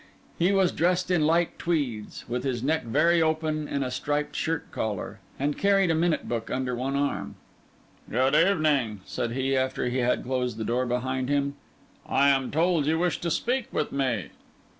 He was dressed in light tweeds, with his neck very open in a striped shirt collar; and carried a minute book under one arm. "Good evening," said he, after he had closed the door behind him. "I am told you wish to speak with me."